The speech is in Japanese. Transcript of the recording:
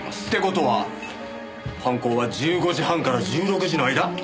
って事は犯行は１５時半から１６時の間？